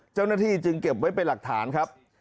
เจ้าหน้าที่จึงเก็บไว้เป็นหลักฐานครับ